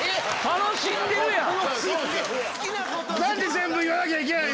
楽しんでるやん。